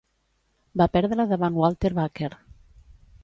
Va perdre davant Walter Baker.